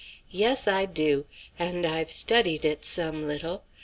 "Yes, I do. And I've studied it, some little.